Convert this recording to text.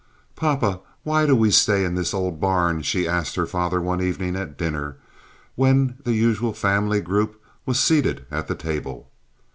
"Papa, why do we stay in this old barn?" she asked her father one evening at dinner, when the usual family group was seated at the table.